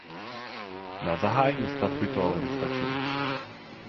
Na zahájení stavby to ale nestačilo.